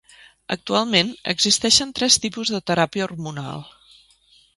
Actualment, existeixen tres tipus de teràpia hormonal.